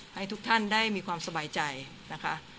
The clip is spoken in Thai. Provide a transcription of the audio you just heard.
ให้ทุกท่านได้มีความสบายใจนะคะ